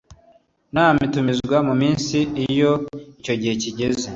Nama itumizwa mu minsi iyo icyo gihe kigeze